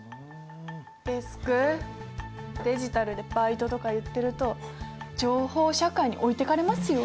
デスク「デジタルでバイト」とか言ってると情報社会に置いてかれますよ。